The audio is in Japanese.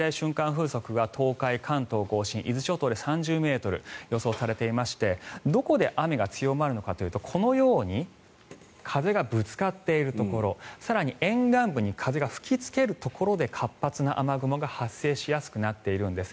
風速は東海、関東・甲信伊豆諸島で３０ｍ予想されていましてどこで雨が強まるのかというとこのように風がぶつかっているところ更に沿岸部に風が吹きつけるところで活発な雨雲が発生しやすくなっているんです。